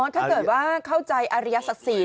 อ๋อถ้าเกิดว่าเข้าใจอริยสะสิ